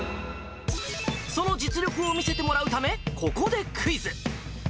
その実力を見せてもらうため、ここでクイズ。